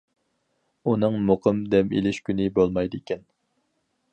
ئۇنىڭ مۇقىم دەم ئېلىش كۈنى بولمايدىكەن.